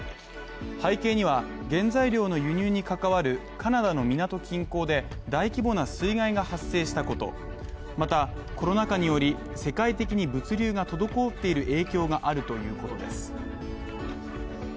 背景には、原材料の輸入に関わるカナダの港近郊で大規模な水害が発生したこと、また、コロナ禍により、世界的に物流が滞っている影響があるということです。